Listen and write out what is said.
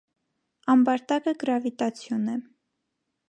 Ամբարտակը գրավիտացիոն է։